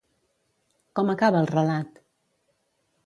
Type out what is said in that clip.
Com acaba el relat?